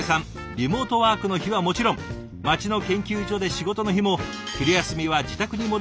リモートワークの日はもちろん街の研究所で仕事の日も昼休みは自宅に戻っておうちごはん。